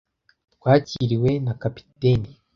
Twakiriwe na Kapiteni.